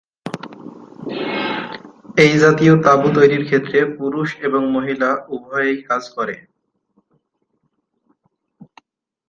এই জাতীয় তাঁবু তৈরির ক্ষেত্রে পুরুষ এবং মহিলা উভয়েই কাজ করে।